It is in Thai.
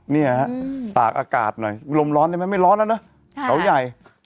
เนี่ยฮะตากอากาศหน่อยลมร้อนได้ไหมไม่ร้อนแล้วนะเขาใหญ่